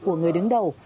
của người đứng đầu